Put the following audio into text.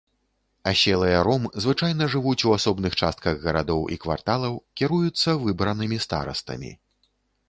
Аселыя ром звычайна жывуць у асобных частках гарадоў і кварталаў, кіруюцца выбранымі старастамі.